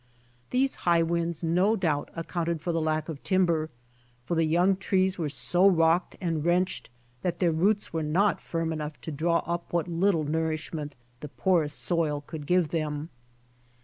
These high winds no doubt accounted for the lack of timber, for the young trees were so rocked and wrenched that their roots were not firm enough to draw up what little nourishment the porous soil could give them.